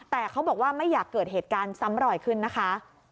แต่เขาบอกว่าไม่อยากเกิดเหตุการณ์ซ้ำรอยขึ้นนะคะ